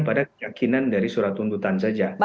pada keyakinan dari surat tuntutan saja